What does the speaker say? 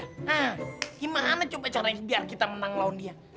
hah gimana coba caranya biar kita menang lawan dia